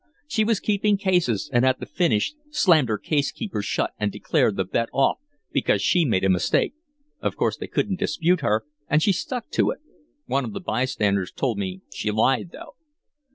She was keeping cases, and at the finish slammed her case keeper shut and declared the bet off because she had made a mistake. Of course they couldn't dispute her, and she stuck to it. One of the by standers told me she lied, though."